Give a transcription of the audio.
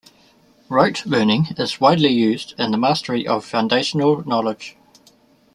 Rote learning is widely used in the mastery of foundational knowledge.